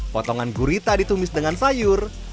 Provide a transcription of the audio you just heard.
potongan gurita ditumis dengan sayur